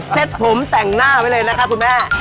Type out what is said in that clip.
เสร็จผมแต่งหน้าไว้เลยนะครับคุณแม่